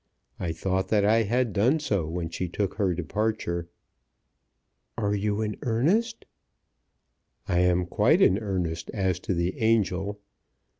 I thought that I had done so when she took her departure." "Are you in earnest?" "I am quite in earnest as to the angel.